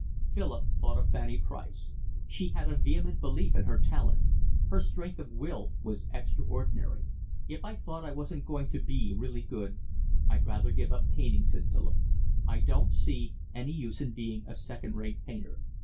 Philip thought of Fanny Price; she had a vehement belief in her talent; her strength of will was extraordinary. "If I thought I wasn't going to be really good, I'd rather give up painting," said Philip. "I don't see any use in being a second rate painter."